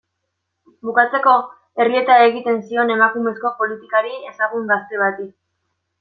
Bukatzeko, errieta egiten zion emakumezko politikari ezagun gazte bati.